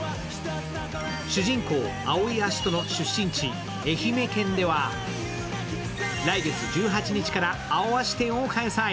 主人公・青井葦人の出身地・愛媛県では来月１８日からアオアシ展を開催。